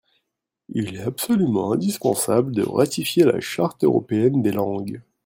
Il est absolument indispensable de ratifier la Charte européenne des langues.